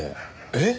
えっ？